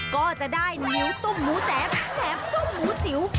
ก็จะได้แหนมต้มหมูแจ๋มแหนมต้มหมูจิ๋ว